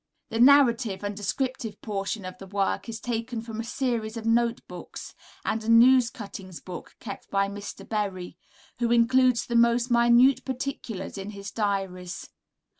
The narrative and descriptive portion of the work is taken from a series of note books and a news cuttings book kept by Mr. Berry; who includes the most minute particulars in his diaries.